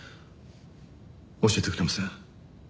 教えてくれません？